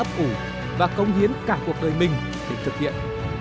ấp ủ và công hiến cả cuộc đời mình để thực hiện